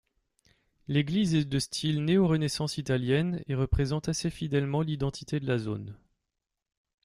L'église est de style néorenaissance italienne, et représente assez fidèlement l'identité de la zone.